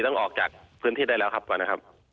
ออกจากพื้นที่ได้แล้วครับก่อนนะครับ